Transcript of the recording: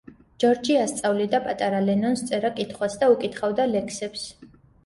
ჯორჯი ასწავლიდა პატარა ლენონს წერა-კითხვას და უკითხავდა ლექსებს.